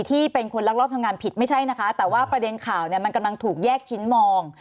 ที่เป็นคนรักรอบทำงานผิดไม่ใช่นะคะแต่ว่าประเด็นข่าวเนี่ยมันกำลังถูกแยกชิ้นมอง